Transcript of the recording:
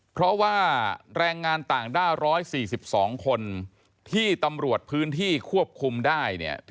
เพราะว่าแรงงานต่างด้าว๑๔๒คนที่ตำรวจพื้นที่ควบคุมได้เนี่ย